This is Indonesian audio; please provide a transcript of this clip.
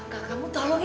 kakakmu tolong ya